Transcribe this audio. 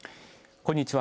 こんにちは。